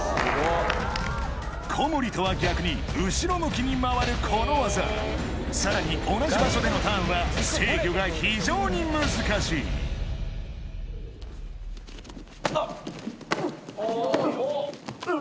小森とは逆に後ろ向きに回るこの技さらに同じ場所でのターンは制御が非常に難しいはっふっふっ。